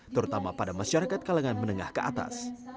terutama pada masyarakat kalangan menengah ke atas